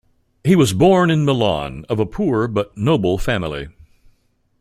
He was born in Milan of a poor but noble family.